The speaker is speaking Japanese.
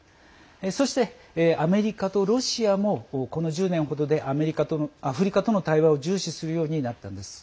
そして、アメリカとロシアもこの１０年ほどでアフリカとの対話を重視するようになったんです。